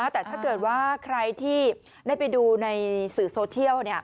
แต่ถ้าเกิดว่าใครที่ได้ไปดูในสื่อโซเชียล